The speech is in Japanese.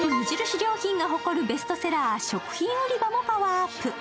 良品が誇るベストセラー、食品売り場もパワーアップ。